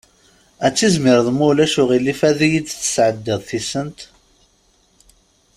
Ad tizmireḍ ma ulac aɣilif ad iyi-d-tesɛeddiḍ tisent?